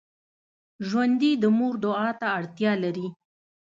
ژوندي د مور دعا ته اړتیا لري